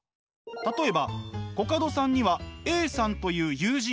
例えばコカドさんにはＡさんという友人がいたとします。